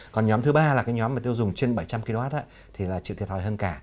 còn nhóm thứ ba là cái nhóm mà tiêu dùng trên bảy trăm linh kwh thì là chịu thiệt thòi hơn cả